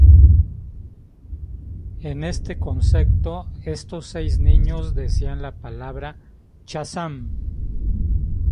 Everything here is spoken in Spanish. En este concepto, estos seis niños decían la palabra "Shazam!